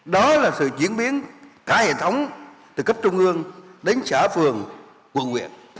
đó là sự chuyển biến cả hệ thống từ cấp trung ương đến xã phường quân quyền